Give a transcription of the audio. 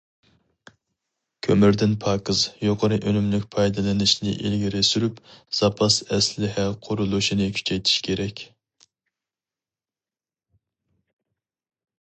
كۆمۈردىن پاكىز، يۇقىرى ئۈنۈملۈك پايدىلىنىشنى ئىلگىرى سۈرۈپ، زاپاس ئەسلىھە قۇرۇلۇشىنى كۈچەيتىش كېرەك.